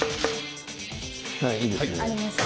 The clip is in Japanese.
はいいいですね。